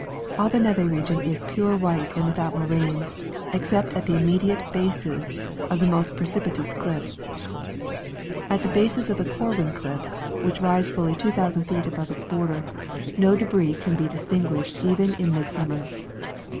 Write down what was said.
All the neve region is pure white and without moraines, except at the immediate bases of the most precipitous cliffs. At the bases of the Corwin cliff's, which rise fully 2,000 feet above its border, no debris can be dis tinguished even in midsummer.